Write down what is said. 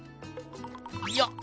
よっ！